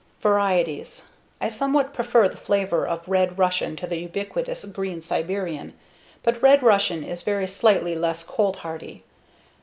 Varieties: I somewhat prefer the flavor of Red Russian to the ubiquitous green Siberian, but Red Russian is very slightly less cold hardy.